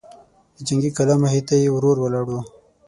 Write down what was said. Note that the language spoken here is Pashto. د جنګي کلا مخې ته يې ورور ولاړ و.